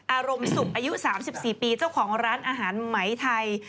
อารมณ์สุขอายุ๓๔ปีเจ้าของร้านอาหารไหมไทย